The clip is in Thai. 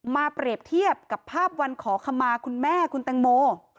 เปรียบเทียบกับภาพวันขอขมาคุณแม่คุณแตงโม